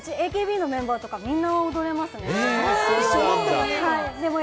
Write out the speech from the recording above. ＡＫＢのメンバーとか、みんな踊れますね。